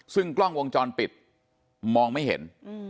ซึ่งกล้องวงจรปิดมองไม่เห็น